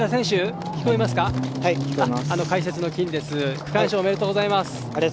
区間賞おめでとうございます。